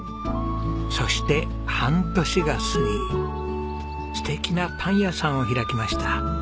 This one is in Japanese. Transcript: そして半年が過ぎ素敵なパン屋さんを開きました。